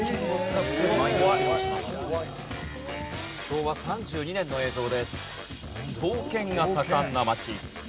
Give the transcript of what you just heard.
昭和３２年の映像です。